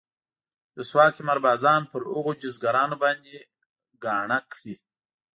رسوا قمار بازان پر هغو جيزګرانو باندې ګاڼه کړي.